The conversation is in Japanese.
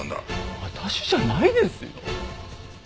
私じゃないですよ。